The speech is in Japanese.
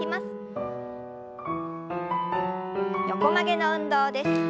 横曲げの運動です。